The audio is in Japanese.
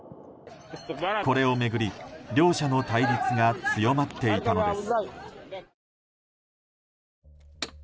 これを巡り、両者の対立が強まっていたのです。